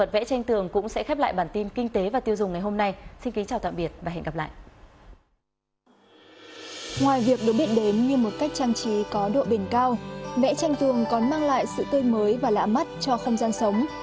trong một cách trang trí có độ bền cao vẽ tranh tường còn mang lại sự tươi mới và lạ mắt cho không gian sống